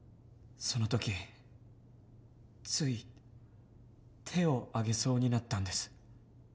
その時つい手を上げそうになったんです。